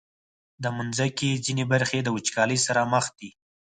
د مځکې ځینې برخې د وچکالۍ سره مخ دي.